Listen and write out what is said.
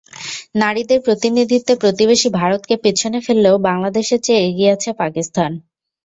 নারীদের প্রতিনিধিত্বে প্রতিবেশী ভারতকে পেছনে ফেললেও বাংলাদেশের চেয়ে এগিয়ে আছে পাকিস্তান।